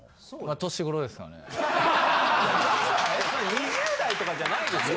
２０代とかじゃないですよね？